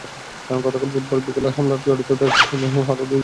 গতকাল বুধবার বিকেলে হামলায় জড়িত সন্দেহে আরও দুই যুবককে আটক করেছে পুলিশ।